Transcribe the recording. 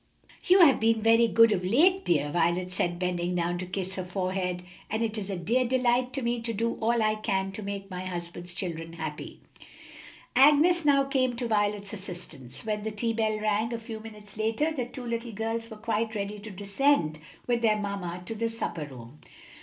"You have been very good of late, dear," Violet said, bending down to kiss her forehead, "and it is a dear delight to me to do all I can to make my husband's children happy." Agnes now came to Violet's assistance, and when the tea bell rang, a few minutes later, the two little girls were quite ready to descend with their mamma to the supper room.